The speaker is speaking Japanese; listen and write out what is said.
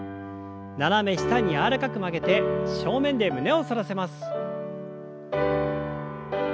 斜め下に柔らかく曲げて正面で胸を反らせます。